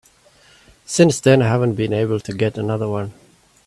Since then I haven't been able to get another one.